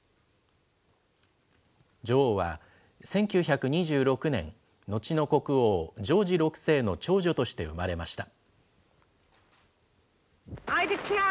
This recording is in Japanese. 女王は１９２６年、後の国王、ジョージ６世の長女として生まれました。